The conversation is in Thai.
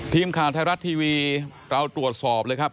ทีมข่าวไทยรัฐทีวีเราตรวจสอบเลยครับ